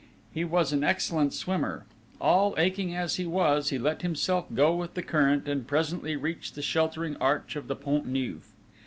He was an excellent swimmer: all aching as he was, he let himself go with the current and presently reached the sheltering arch of the Pont Neuf.